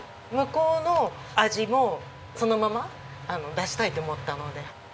向こうの味をそのまま出したいって思ったので。